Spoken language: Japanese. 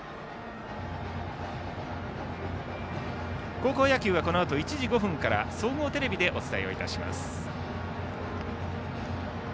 高校野球はこのあと１時５分から総合テレビでお伝えをいたします。